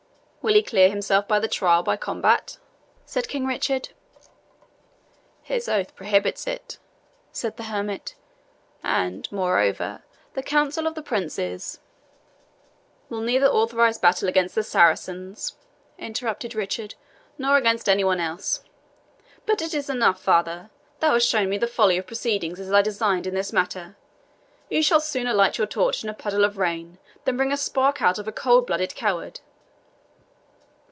"Will he clear himself by the trial by combat?" said King Richard. "His oath prohibits it," said the hermit; "and, moreover, the Council of the Princes " "Will neither authorize battle against the Saracens," interrupted Richard, "nor against any one else. But it is enough, father thou hast shown me the folly of proceeding as I designed in this matter. You shall sooner light your torch in a puddle of rain than bring a spark out of a cold blooded coward.